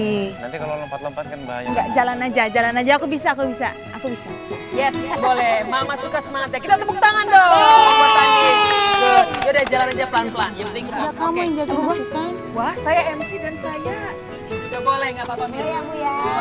nanti kalau lempat lempat kan banyak